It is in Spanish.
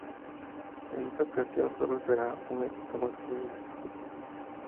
En esta ocasión, solo se hará un evento masculino en estos Juegos.